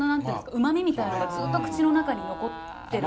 うまみみたいなのがずっと口の中に残ってるから。